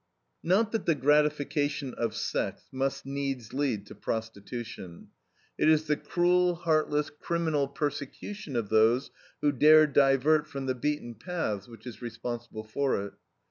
Not that the gratification of sex must needs lead to prostitution; it is the cruel, heartless, criminal persecution of those who dare divert from the beaten paths, which is responsible for it.